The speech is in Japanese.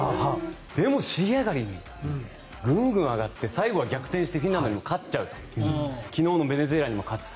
でも、尻上がりにぐんぐん上がって最後は逆転してフィンランドにも勝っちゃう昨日のベネズエラにも勝つ。